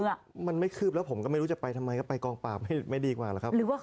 คือมันไม่คืบแล้วผมก็ไม่รู้จะไปทำไมก็ไปกองปราบไม่ดีกว่าหรอกครับ